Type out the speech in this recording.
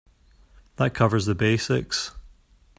That covers the basics.